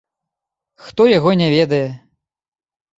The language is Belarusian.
Хто яго не ведае.